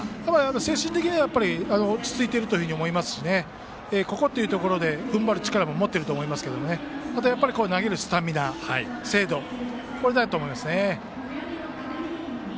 精神的には落ち着いていると思いますしここというところで踏ん張る力も持っていると思いますけどあとは投げるスタミナ、精度これだと思いますね。